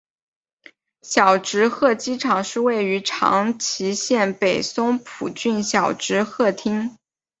小值贺机场是位于长崎县北松浦郡小值贺町。